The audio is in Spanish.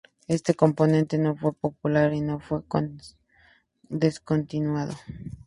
Este componente no fue popular y fue descontinuado.